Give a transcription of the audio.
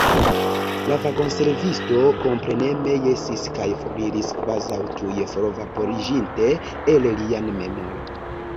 La vagonservisto kompreneme jesis kaj foriris, kvazaŭ tuj forvaporiĝinte el lia memoro.